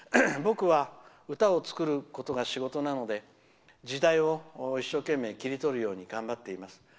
僕は歌を作ることが仕事なので、時代を一生懸命切り取るように頑張っています。